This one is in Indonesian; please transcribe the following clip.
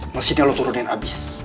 mesinnya lo turunin abis